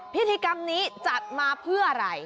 พิธีกรรมนี้จัดมาเพื่ออะไร